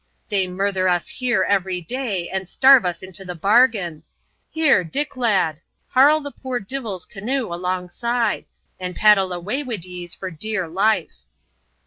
They murther us here every day, and starve us into the bargain. Here, Dick, lad, harl the poor divils' canow alongside; and paddle away wid yees for dear life."